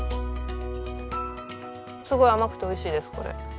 すごい甘くて美味しいですこれ。